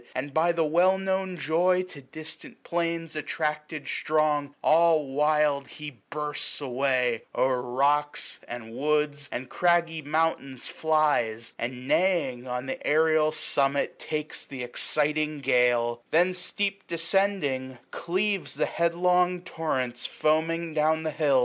And by the well known joy to distant plains Attracted strong, all wild he bursts away ; 810 O'er rocks, and woods, and craggy mountains flies ; And, neighing, on the aerial summit takes Th' exciting gale j then, steep descending, cleaves The headlong torrents foaming down the hills.